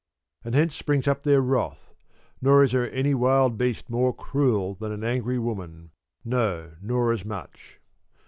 And hence springs up their wrath ; nor is there any wild beast more cruel than an angry woman — no nor as much.